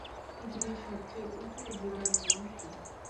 পৃথিবীর সবচেয়ে উঁচু উদ্ভিদের নাম কী?